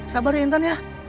sabar ya intan ya